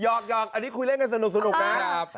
หยอกหยอกอันนี้คุยเล่นกันสนุกนะ